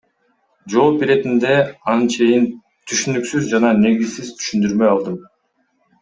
Жооп иретинде анчейин түшүнүксүз жана негизсиз түшүндүрмө алдым.